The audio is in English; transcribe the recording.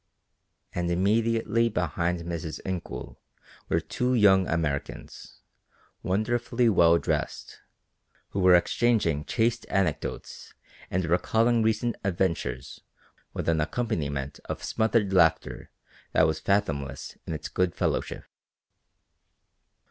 And immediately behind Mrs. Incoul were two young Americans, wonderfully well dressed, who were exchanging chaste anecdotes and recalling recent adventures with an accompaniment of smothered laughter that was fathomless in its good fellowship.